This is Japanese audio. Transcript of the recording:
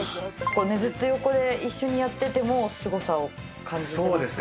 ずっと横で一緒にやっててもすごさを感じてますか？